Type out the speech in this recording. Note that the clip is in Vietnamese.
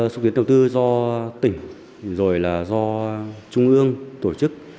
xúc tiến đầu tư do tỉnh rồi là do trung ương tổ chức